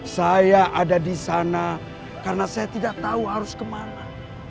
saya ada di sana karena saya tidak tahu harus kemana